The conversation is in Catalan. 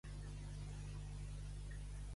En nom de tots els sants!